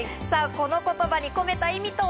この言葉に込めた意味とは？